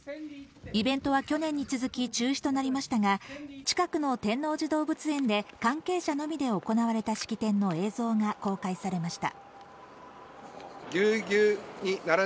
イベントは去年に続き中止となりましたが近くの天王寺動物園で関係者のみで行われた式典の映像が公開されました。